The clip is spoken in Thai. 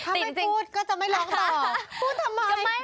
ถ้าไม่พูดก็จะไม่ร้องต่อพูดทำไม